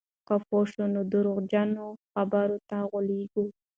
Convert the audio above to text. که پوه شو، نو درواغجنو خبرو ته غولېږو.